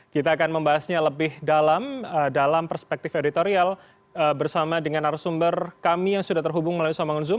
kita akan membahasnya lebih dalam dalam perspektif editorial bersama dengan arsumber kami yang sudah terhubung melalui sambungan zoom